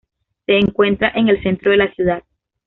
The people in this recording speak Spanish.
Se encuentra en el centro de la ciudad.